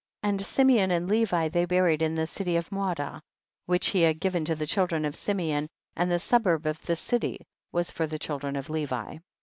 41. And Simeon and Levi they buried in the city Mauda, which he had given to the children of Simeon, and the suburb of the city was for the children of Levi.